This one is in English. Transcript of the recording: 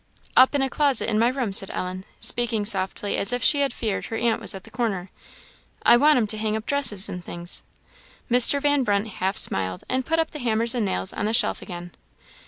"Up in a closet in my room," said Ellen, speaking as softly as if she had feared her aunt was at the corner; "I want 'em to hang up dresses and things." Mr. Van Brunt half smiled, and put up the hammer and nails on the shelf again.